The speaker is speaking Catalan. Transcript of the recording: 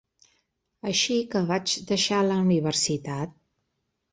Així que vaig deixar la universitat.